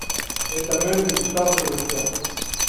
É tamén deputada provincial.